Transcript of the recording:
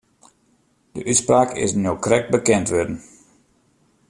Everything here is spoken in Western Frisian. De útspraak is no krekt bekend wurden.